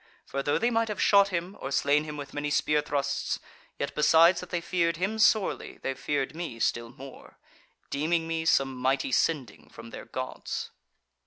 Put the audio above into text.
For though they might have shot him or slain him with many spear thrusts, yet besides that they feared him sorely, they feared me still more; deeming me some mighty sending from their Gods.